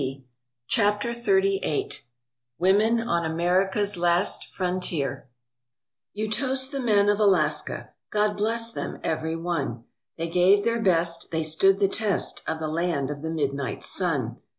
301 CHAPTER XXXVIII WOMEN ON AMERICA'S LAST FRONTIER You toast the men of Alaska, God bless them every one, They gave their best, they stood the test, Of the Land of the Midnight Sun.